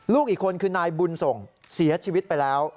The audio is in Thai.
อีกคนคือนายบุญส่งเสียชีวิตไปแล้ว